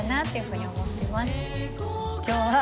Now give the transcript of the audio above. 今日は。